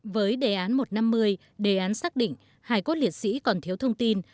với đề án một trăm năm mươi đề án xác định hải cốt liệt sĩ còn thiếu thông tin